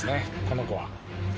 この子は。